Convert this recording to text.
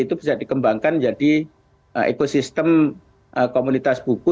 itu bisa dikembangkan menjadi ekosistem komunitas buku